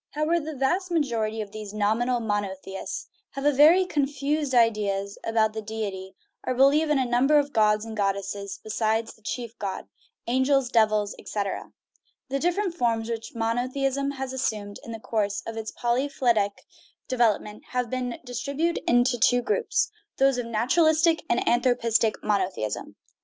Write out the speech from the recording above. However, the vast majority of these nominal monotheists have very confused ideas about the deity, or believe in a number of gods and god desses besides the chief god angels, devils, etc. The different forms which monotheism has assumed in the course of its polyphyletic development may be distributed in two groups those of naturalistic and anthropistic monotheism.